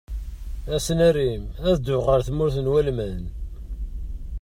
Ass n Arim, ad dduɣ ar tmurt n Walman.